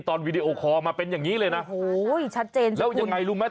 วีดีโอคอลมาเป็นอย่างนี้เลยนะโอ้โหชัดเจนแล้วยังไงรู้ไหม